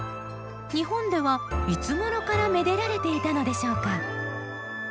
日本ではいつごろからめでられていたのでしょうか？